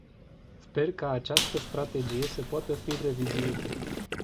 Sper ca această strategie să poată fi revizuită.